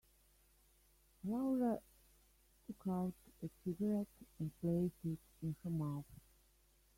Laura took out a cigarette and placed it in her mouth.